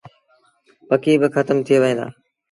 پکي با کتم ٿئي وهيݩ دآ۔